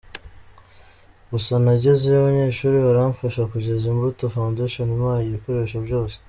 Gusa nagezeyo abanyeshuri baramfasha kugeza Imbuto Foundation impaye ibikoresho byose”.